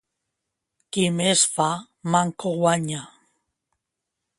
Qui més fa, manco guanya.